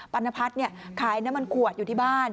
รณพัฒน์ขายน้ำมันขวดอยู่ที่บ้าน